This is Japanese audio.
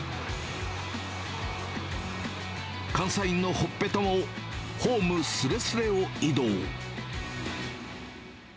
監査員のほっぺたもホームすれすれを移動。